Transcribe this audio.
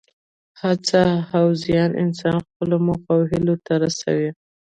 هڅه او زیار انسان خپلو موخو او هیلو ته رسوي.